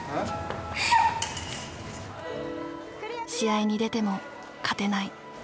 試合に出ても勝てない。